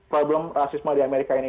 problem rasisme di amerika ini